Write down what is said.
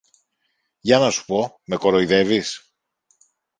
Για να σου πω, με κοροϊδεύεις;